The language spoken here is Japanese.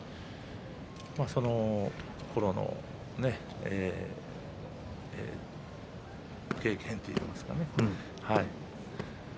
そのころの経験といいますかね